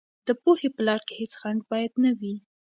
د پوهې په لار کې هېڅ خنډ باید نه وي.